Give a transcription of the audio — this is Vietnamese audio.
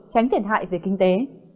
tránh thiệt hại về kinh tế